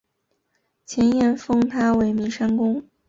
前燕封他为岷山公。